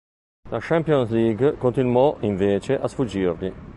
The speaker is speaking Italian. La Champions League continuò, invece, a sfuggirgli.